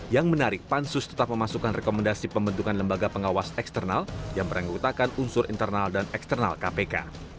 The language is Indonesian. yang menarik pansus tetap memasukkan rekomendasi pembentukan lembaga pengawas eksternal yang merenggutakan unsur internal dan eksternal kpk